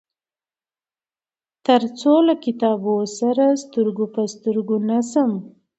تر څو له کتابونه سره سترګو په سترګو نشم.